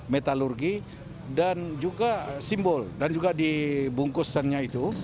metalurgi dan juga simbol dan juga di bungkusannya itu